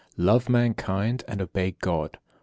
Love mankind, and obey God.